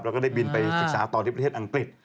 แล้วก็ได้บินไปศึกษาต่อที่ประเทศอังกฤษ